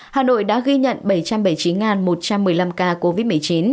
hà nội đã ghi nhận bảy trăm bảy mươi chín một trăm một mươi năm ca covid một mươi chín